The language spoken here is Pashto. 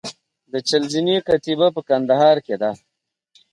د چهل زینې کتیبه په کندهار کې ده